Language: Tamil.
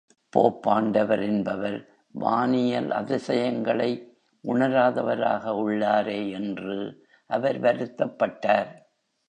போப் ஆண்டவர் என்பவர், வானியல் அதிசயங்களை உணராதவராக உள்ளாரே என்று அவர் வருத்தப்பட்டார்!